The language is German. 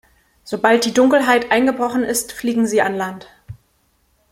Sobald die Dunkelheit eingebrochen ist, fliegen sie an Land.